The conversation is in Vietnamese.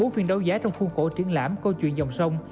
bốn phiên đấu giá trong khuôn khổ triển lãm câu chuyện dòng sông